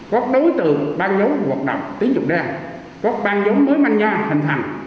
các đối tượng ban giống hoạt động tín dụng đen các ban giống mới manh nha hình thành